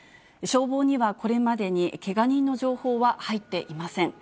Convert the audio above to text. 消防にはこれまでにけが人の情報は入っていません。